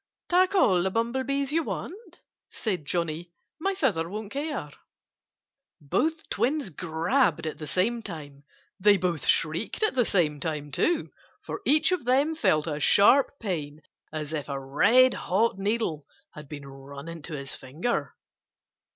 "Take all the bumblebees you want!" said Johnnie. "My father won't care." Both twins grabbed at the same time. They both shrieked at the same time, too for each of them felt a sharp pain, as if a red hot needle had been run into his finger.